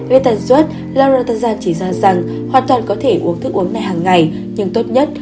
về tần suốt laura tarzan chỉ ra rằng hoàn toàn có thể uống thức uống này hằng ngày nhưng tốt nhất